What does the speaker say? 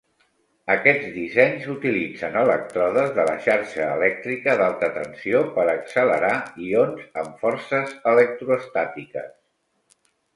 Aquests dissenys utilitzen elèctrodes de la xarxa elèctrica d'alta tensió per accelerar ions amb forces electroestàtiques.